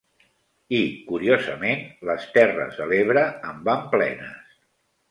I, curiosament, les Terres de l'Ebre en van plenes.